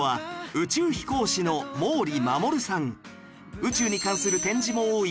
宇宙に関する展示も多い